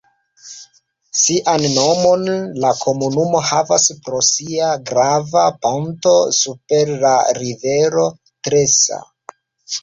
Sian nomon la komunumo havas pro sia grava ponto super la rivero Tresa.